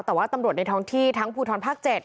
แต่ว่าตำรวจในท้องที่ทั้งภูทรภาค๗